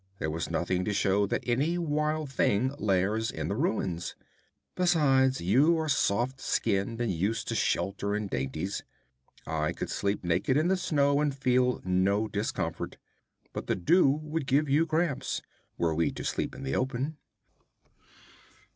There was nothing to show that any wild thing lairs in the ruins. Besides, you are soft skinned, and used to shelter and dainties. I could sleep naked in the snow and feel no discomfort, but the dew would give you cramps, were we to sleep in the open.'